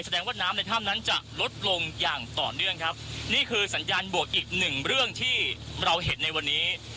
แสดงว่าน้ำในถ้ำนั้นจะลดลงอย่างต่อเนื่องครับนี่คือสัญญาณบวกอีกหนึ่งเรื่องที่เราเห็นในวันนี้